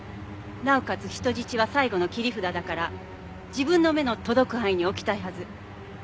なおかつ人質は最後の切り札だから自分の目の届く範囲に置きたいはず。